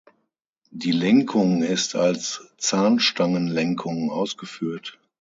Die Lenkung ist als Zahnstangenlenkung ausgeführt.